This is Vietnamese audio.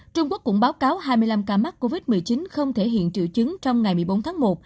trung quốc cũng báo cáo hai mươi năm ca mắc covid một mươi chín không thể hiện triệu chứng trong ngày một mươi bốn tháng một